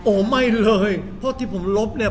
โอ้โหไม่เลยเพราะที่ผมลบเนี่ย